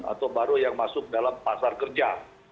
atau baru yang masuk dalam pasar kerja